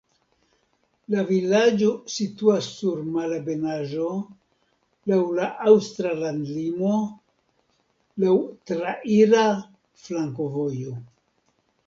La vilaĝo situas sur malebenaĵo, laŭ la aŭstra landlimo, laŭ traira flankovojo.